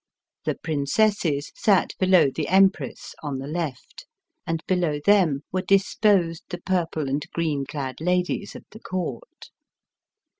The prin cesses sat below the Empress, on the left, and below them were disposed the purple and green clad ladies of the Court.